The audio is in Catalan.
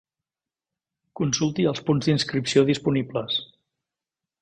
Consulti els punts d'inscripció disponibles.